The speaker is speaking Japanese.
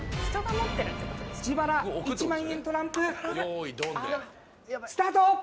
自腹１万円トランプスタート！